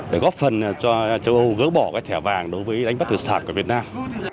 để góp phần cho châu âu gỡ bỏ thẻ vàng đối với đánh bắt thủy sản của việt nam